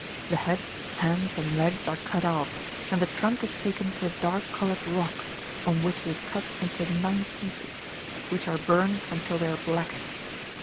The head, hands, and legs are cut off, and the trunk is taken to a dark coloured rock, on which it is cut into nine pieces, which are burned until they are blackened.